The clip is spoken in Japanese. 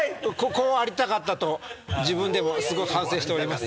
こうありたかったと自分でもすごい反省しております。